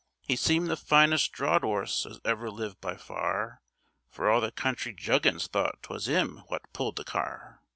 'E seemed the finest draught 'orse as ever lived by far, For all the country Juggins thought 'twas 'im wot pulled the car.